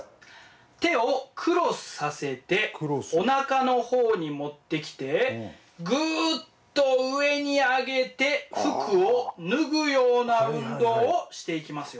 手をクロスさせておなかの方に持ってきてぐっと上に上げて服を脱ぐような運動をしていきますよ。